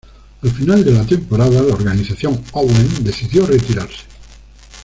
Al final de la temporada, la "Organización Owen" decidió retirarse.